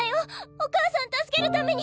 お母さん助けるために。